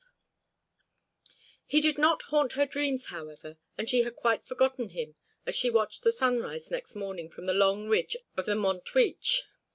V He did not haunt her dreams, however, and she had quite forgotten him as she watched the sunrise next morning from the long ridge of the Montjuich.